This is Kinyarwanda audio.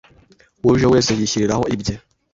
uje wese yishyiriraho ibye.